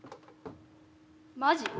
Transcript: マジ？